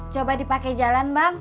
coba dipake jalan bang